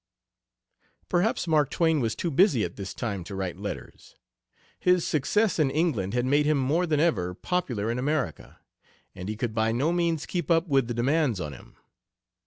Perhaps Mark Twain was too busy at this time to write letters. His success in England had made him more than ever popular in America, and he could by no means keep up with the demands on him.